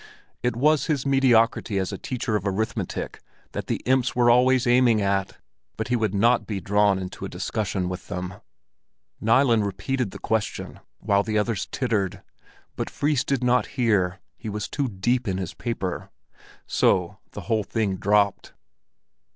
It was his mediocrity as a teacher of arithmetic that the imps were always aiming at, but he would not be drawn into a discussion with them. Nilen repeated his question, while the others tittered; but Fris did not hear—he was too deep in his paper. So the whole thing dropped.